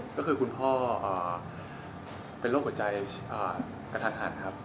ก็คือคุณพ่อเป็นโรคหัวใจกระทันหันครับ